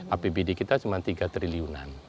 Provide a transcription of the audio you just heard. apbd kita cuma tiga triliunan